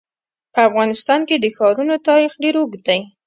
په افغانستان کې د ښارونو تاریخ ډېر اوږد دی.